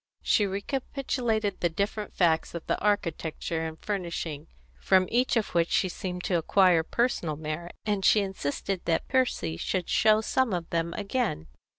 She recapitulated the different facts of the architecture and furnishing, from each of which she seemed to acquire personal merit, and she insisted that Percy should show some of them again.